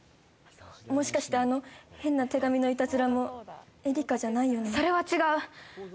もしかして、あの変な手紙のいたずらもエリカじゃないよね？